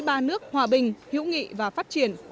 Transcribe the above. ba nước hòa bình hữu nghị và phát triển